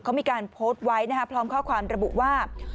เขามีการโพสต์ไว้นะครับพร้อมข้อความระบุว่า